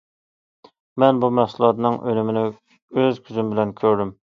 مەن بۇ مەھسۇلاتنىڭ ئۈنۈمىنى ئۆز كۆزۈم بىلەن كۆردۈم.